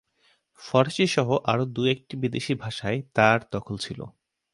ফরাসিসহ আরও দু-একটি বিদেশি ভাষায় তাঁর দখল ছিল।